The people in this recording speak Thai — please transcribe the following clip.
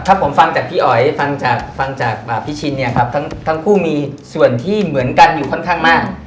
ถ้าผมฟังจากพี่อ๋ยฟังจากพี่ชินทั้งคู่มีส่วนที่เหมือนกันอยู่ค่อนข้างมาก